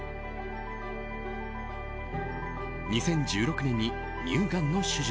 ２０１６年に乳がんの手術。